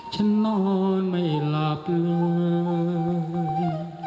นอนไม่หลับเลย